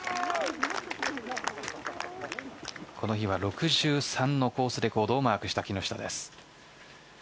この日は６３のコースレコードをマークした木下です。